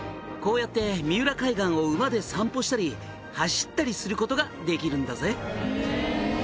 「こうやって三浦海岸を馬で散歩したり走ったりすることができるんだぜ」